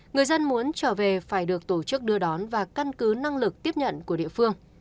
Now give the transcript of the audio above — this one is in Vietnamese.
người dân muốn trở về phải được tổ chức đưa đón và căn cứ năng lực tiếp nhận của địa phương